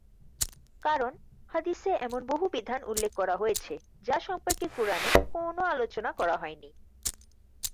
কারণ, হাদিসে এমন বহু বিধান উল্লেখ করা হয়েছে, যা সম্পর্কে কুরআনে কোন আলোচনা করা হয়নি।